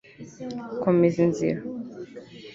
komeza inzira